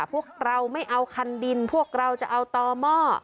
พวกเราไม่เอาคันดินพวกเราจะเอาต่อหม้อ